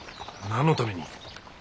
何のために？